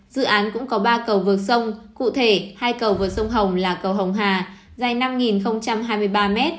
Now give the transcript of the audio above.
dự án cũng có ba cầu vượt sông cụ thể hai cầu vượt sông hồng là cầu hồng hà dài năm hai mươi ba m